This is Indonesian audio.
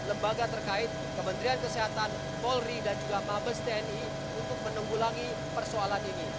lembaga terkait kementerian kesehatan polri dan juga mabes tni untuk menunggu lagi persoalan ini